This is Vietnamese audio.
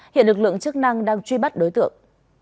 hiện lực lượng chức năng đang truy bắt đối tượng